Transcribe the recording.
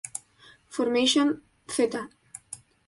Formation Z